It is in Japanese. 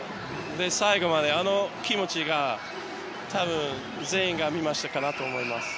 最後まで、あの気持ちが多分、全員ありましたかなと思います。